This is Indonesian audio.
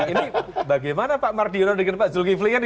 ini bagaimana pak mardy yonan dengan pak zulkifli ini